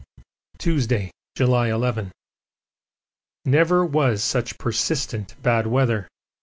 Tuesday, July 11. Never was such persistent bad weather.